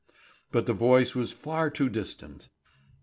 But the voice was far too distant.